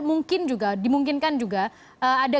mungkin juga dimungkinkan juga ada